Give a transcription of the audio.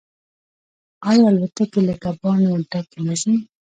آیا الوتکې له کبانو ډکې نه ځي؟